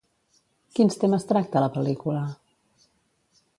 Quins temes tracta la pel·lícula?